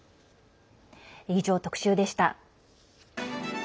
以上、特集でした。